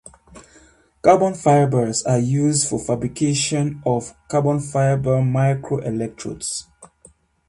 Carbon fibers are used for fabrication of carbon-fiber microelectrodes.